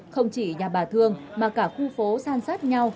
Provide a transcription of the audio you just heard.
không chỉ nhà bà thương mà cả khu phố san sát nhau